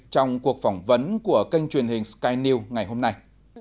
trong cuộc phỏng vấn của kênh truyền hình skyn news ngày hôm nay